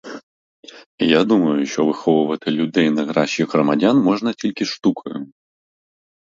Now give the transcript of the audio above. Я думаю, що виховувати людей на кращих громадян можна тільки штукою.